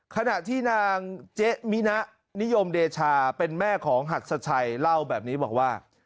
ขณะที่นางเจ๊มินะนิยมเดชาเป็นแม่ของหัดสชัยเล่าแบบนี้บอกว่า